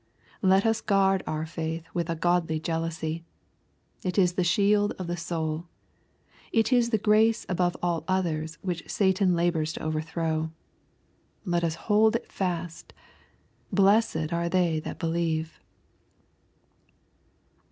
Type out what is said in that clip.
Let us guard )ur faith with a godly jealousy. It is the shield of the Boul. It is the grace above all others which Satan la bors to overthrow. Let us hold it fast. Blessed are they that believe.